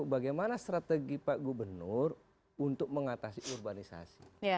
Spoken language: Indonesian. bagaimana strategi pak gubernur untuk mengatasi urbanisasi